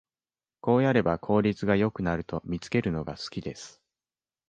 こうやれば効率が良くなると見つけるのが好きです